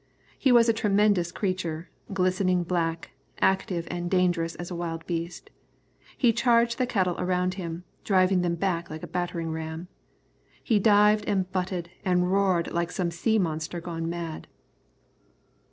He was a tremendous creature, glistening black, active and dangerous as a wild beast. He charged the cattle around him, driving them back like a battering ram. He dived and butted and roared like some sea monster gone mad.